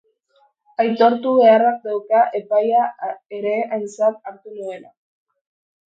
Aitortu beharra daukat epaia ere aintzat hartu nuela...